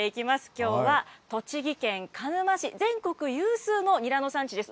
きょうは栃木県鹿沼市、全国有数のニラの産地です。